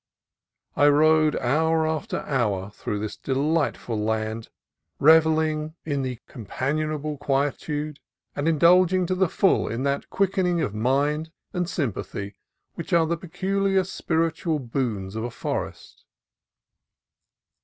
I rode hour after hour through this delightful land, revelling in the com 308 CALIFORNIA COAST TRAILS panionable quietude and indulging to the full that quickening of mind and sympathy which are the pe culiar spiritual boons of a forest.